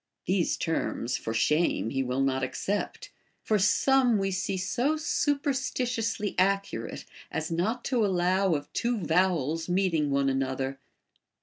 These terms, for shame, he will not accept ; for some we see so superstitiously accurate as not to allow of two vow els meeting one another.